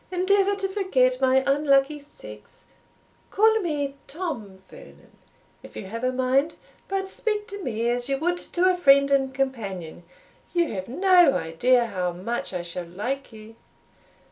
Endeavour to forget my unlucky sex; call me Tom Vernon, if you have a mind, but speak to me as you would to a friend and companion; you have no idea how much I shall like you."